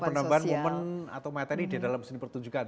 penambahan momen atau materi di dalam seni pertunjukan